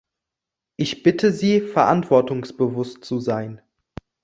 Ich bitte Sie, verantwortungsbewusst zu sein.